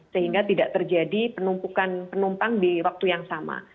sehingga tidak terjadi penumpukan penumpang di waktu yang sama